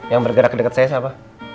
yang bergerak deket saya siapa